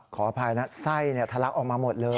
ขออภัยนะไส้ทะลักออกมาหมดเลย